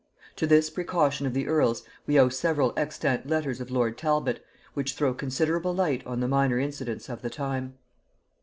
To this precaution of the earl's we owe several extant letters of lord Talbot, which throw considerable light on the minor incidents of the time.